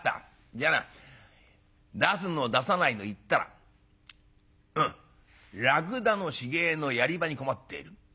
じゃあな出すの出さないの言ったらうん『らくだの死骸のやり場に困っている。